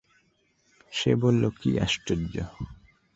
সে বলল, কি আশ্চর্য!